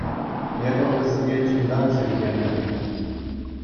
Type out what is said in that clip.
Эпӗ вӗсене чунтан хӗрхентӗм.